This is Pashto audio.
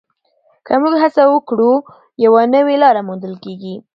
که موږ هڅه وکړو، یوه نوې لاره موندل کېږي.